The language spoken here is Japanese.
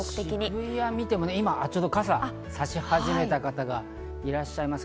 渋谷を見ても傘をさし始めた方がいらっしゃいます。